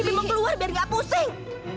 bibi mau keluar biar gak pusing